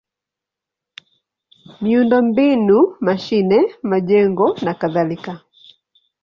miundombinu: mashine, majengo nakadhalika.